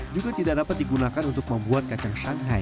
juga tidak dapat digunakan untuk membuat kacang shanghai